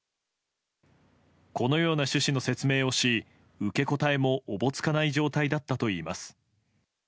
このような趣旨の説明をし受け答えもおぼつかない状態だったといいます。